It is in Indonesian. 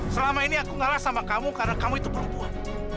selama ini aku ngalah sama kamu karena kamu itu perempuan